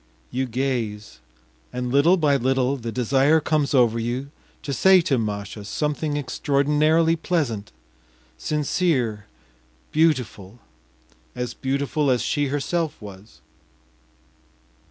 You gaze, and little by little the desire comes over you to say to Masha something extraordinarily pleasant, sincere, beautiful, as beautiful as she herself was.